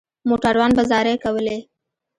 موټروان به زارۍ کولې.